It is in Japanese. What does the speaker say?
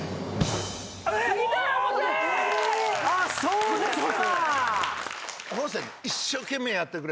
あっそうですか！